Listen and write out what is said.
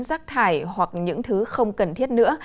rác thải hoặc những thứ không cần thiết nữa